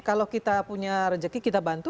kalau kita punya rezeki kita bantu